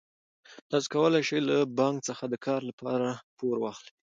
تاسو کولای شئ له بانک څخه د کار لپاره پور واخلئ.